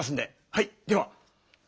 はいでは。